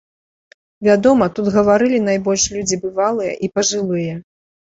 Вядома, тут гаварылі найбольш людзі бывалыя і пажылыя.